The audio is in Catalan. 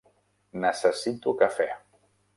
Necessito cafè.